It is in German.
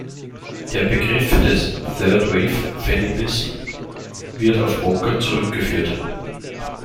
Der Begriff des "third-wave feminism" wird auf Walker zurückgeführt.